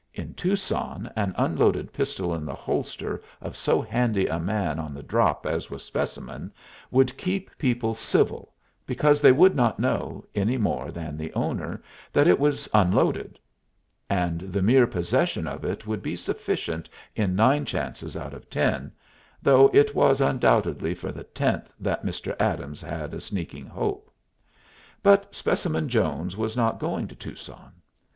In Tucson an unloaded pistol in the holster of so handy a man on the drop as was Specimen would keep people civil, because they would not know, any more than the owner, that it was unloaded; and the mere possession of it would be sufficient in nine chances out of ten though it was undoubtedly for the tenth that Mr. Adams had a sneaking hope. But Specimen Jones was not going to Tucson.